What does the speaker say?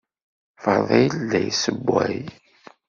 Fadil la yessewway.